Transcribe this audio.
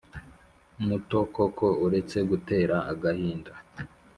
Muto koko uretse gutera agahinda